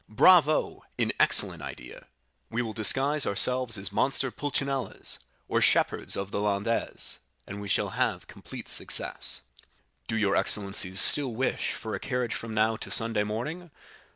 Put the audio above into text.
"Bravo! an excellent idea. We will disguise ourselves as monster pulchinellos or shepherds of the Landes, and we shall have complete success." "Do your excellencies still wish for a carriage from now to Sunday morning?"